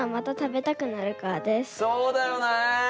そうだよね！